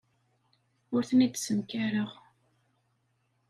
Ur ten-id-ssenkareɣ.